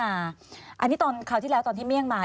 อันนี้ตอนคราวที่แล้วตอนที่เมี่ยงมา